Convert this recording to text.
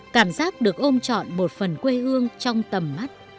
cảm giác được ôm chọn một phần quê hương trong tầm mắt